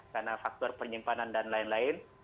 karena faktor penyimpanan dan lain lain